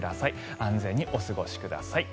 安全にお過ごしください。